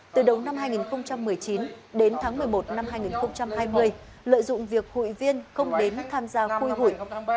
từ đầu năm hai nghìn một mươi chín đến tháng một mươi một năm hai nghìn hai mươi lợi dụng việc hụi viên không đến tham gia khu hụi